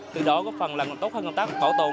từ đó góp phần làm tốt hơn công tác bảo tồn